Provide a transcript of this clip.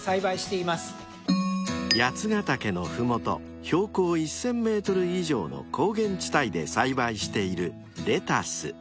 ［八ヶ岳の麓標高１，０００ｍ以上の高原地帯で栽培しているレタス］